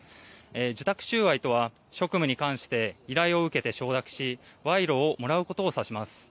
受託収賄とは職務に関して依頼を受けて承諾し賄賂をもらうことを指します。